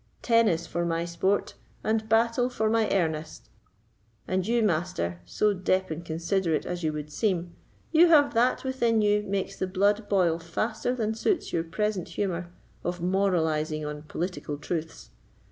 Tennis for my sport, and battle for my earnest! And you, Master, so deep and considerate as you would seem, you have that within you makes the blood boil faster than suits your present humour of moralising on political truths.